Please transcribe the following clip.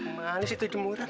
manis itu jemuran